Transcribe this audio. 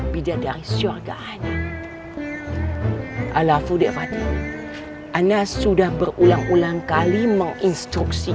bidadari syurga hanya alafudik fatih anna sudah berulang ulang kali menginstruksikan